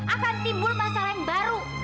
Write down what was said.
akan timbul masalah yang baru